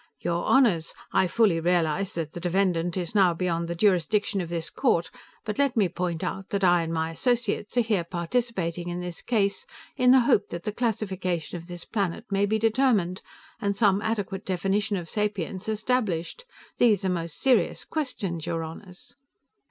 "Your Honors, I fully realize that the defendant is now beyond the jurisdiction of this court, but let me point out that I and my associates are here participating in this case in the hope that the classification of this planet may be determined, and some adequate definition of sapience established. These are most serious questions, your Honors."